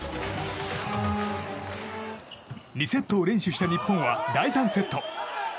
２セットを連取した日本は第３セット